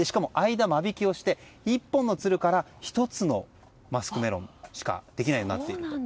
間引きをして１本のつるから１つのマスクメロンしかできないようになっています。